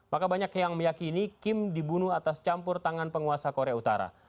maka banyak yang meyakini kim dibunuh atas campur tangan penguasa korea utara